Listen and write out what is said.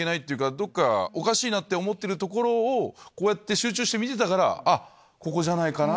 おかしいなって思ってるところをこうやって集中して見てたから「あっここじゃないかな？」